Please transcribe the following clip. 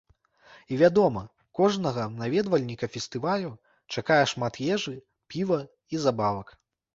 І, вядома, кожнага наведвальніка фестывалю чакае шмат ежы, піва і забавак.